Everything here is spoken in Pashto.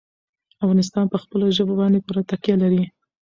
افغانستان په خپلو ژبو باندې پوره تکیه لري.